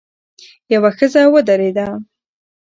يوه ښځه ودرېده.